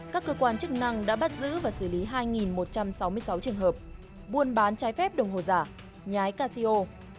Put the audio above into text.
các cơ quan chức năng đã bắt giữ và xử lý hai một trăm sáu mươi sáu trường hợp buôn bán trái phép đồng hồ giả nhái casio